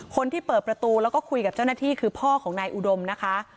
คนที่เปิดประตูแล้วก็คุยกับเจ้าหน้าที่คือพ่อของนายอุดมนะคะ